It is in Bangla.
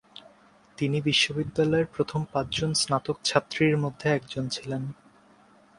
তিনি বিশ্ববিদ্যালয়ের প্রথম পাঁচজন স্নাতক ছাত্রীর মধ্যে একজন ছিলেন।